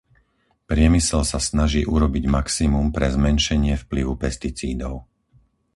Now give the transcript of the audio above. Priemysel sa snaží urobiť maximum pre zmenšenie vplyvu pesticídov.